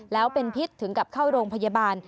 แล้วเป็นพิษถึงกับเข้าโรงพยาบาล